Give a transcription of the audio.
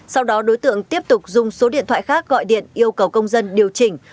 sau đó đối tượng tiếp tục dùng số điện thoại khác gọi điện yêu cầu công dân điều chỉnh